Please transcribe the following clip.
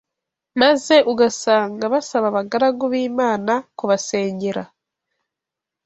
maze ugasanga basaba abagaragu b’Imana kubasengera.